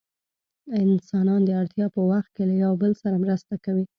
انسانان د اړتیا په وخت کې له یو بل سره مرسته کوي.